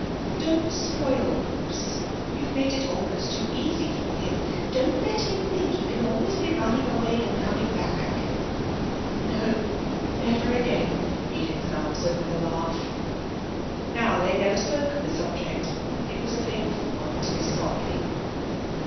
'Don't spoil Bruce. You've made it almost too easy for him. Don't let him think he can always be running away and coming back!' 'No, never again,' Edith had answered, with a laugh. Now they never spoke of the subject. It was a painful one to Mrs Ottley.